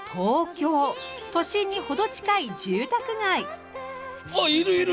都心に程近い住宅街。